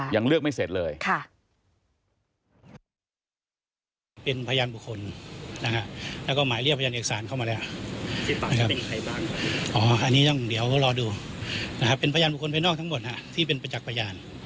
อยากร่องแพรกับครูปรีชา